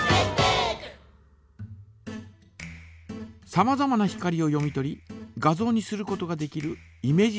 さまざまな光を読み取り画像にすることができる